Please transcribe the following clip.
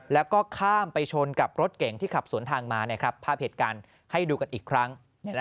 แล้วก็ข้ามไปชนกับรถเก่งที่ขับสวนทางมาภาพเหตุการณ์ให้ดูกันอีกครั้ง